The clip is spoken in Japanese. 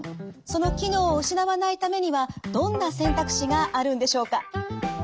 その機能を失わないためにはどんな選択肢があるんでしょうか？